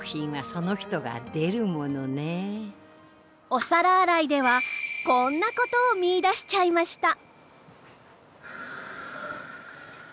お皿洗いではこんなことを見いだしちゃいました。